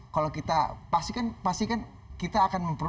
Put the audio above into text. kalau kita pastikan pastikan kita akan memper